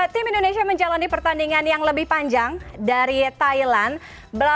tim indonesia menjalani pertandingan yang lebih panjang dari thailand